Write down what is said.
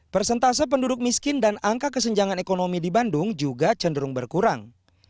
persentase penduduk miskin dan angka kesenjangan ekonomi di bandung juga cenderung berkurang